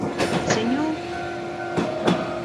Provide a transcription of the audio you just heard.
Senhor!